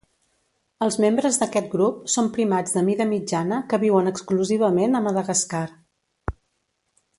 Els membres d'aquest grup són primats de mida mitjana que viuen exclusivament a Madagascar.